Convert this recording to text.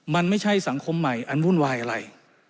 มันไม่ใช่สังคมใหม่อันวุ่นวายอะไร